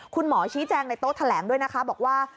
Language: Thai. คุณหมอชี้แจงในโต๊ะแถลงด้วยนะคะบอกว่า